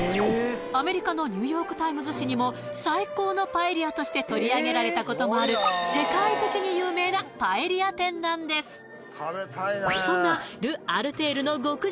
アメリカのニューヨークタイムズ紙にも最高のパエリアとして取り上げられたこともある世界的に有名なパエリア店なんです